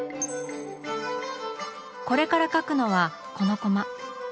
これから描くのはこのコマ。